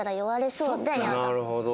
なるほど。